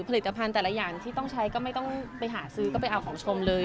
ผลิตภัณฑ์แต่ละอย่างที่ต้องใช้ก็ไม่ต้องไปหาซื้อก็ไปเอาของชมเลย